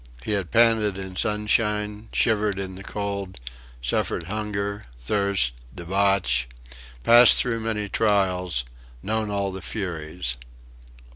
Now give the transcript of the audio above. He had panted in sunshine, shivered in the cold; suffered hunger, thirst, debauch; passed through many trials known all the furies.